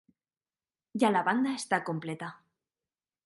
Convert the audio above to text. Ya la banda está completa.